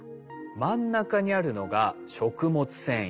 真ん中にあるのが食物繊維。